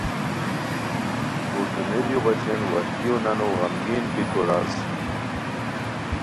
پردومیریو بچین وشلیو نانو غمگین بیکو راز